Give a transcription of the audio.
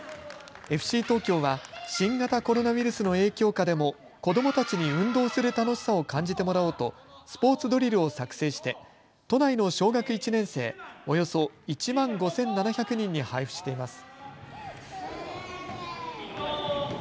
ＦＣ東京は新型コロナウイルスの影響下でも子どもたちに運動する楽しさを感じてもらおうとスポーツドリルを作成して都内の小学１年生およそ１万５７００人に配布しています。